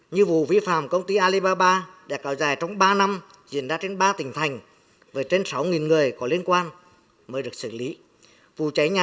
như vụ vi phạm công ty alibaba đã kéo dài trong ba năm diễn ra trên ba tỉnh thành với trên sáu người có liên quan mới được xử lý